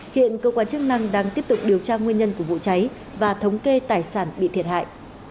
hiện cơ quan chức năng đang tiếp tục điều tra nguyên nhân của vụ cháy và thống kê tài sản bị thiệt hại